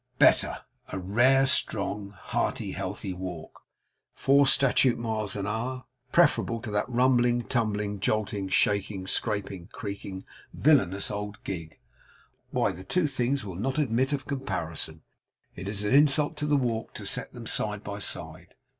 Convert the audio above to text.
Better! A rare strong, hearty, healthy walk four statute miles an hour preferable to that rumbling, tumbling, jolting, shaking, scraping, creaking, villanous old gig? Why, the two things will not admit of comparison. It is an insult to the walk, to set them side by side.